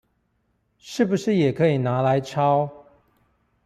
是不是也可以拿來抄